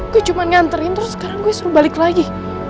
gue cuman nganterin terus sekarang gue disuruh balik lagi